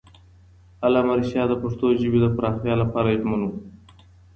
علامه رشاد د پښتو ژبې د پراختیا لپاره ژمن وو.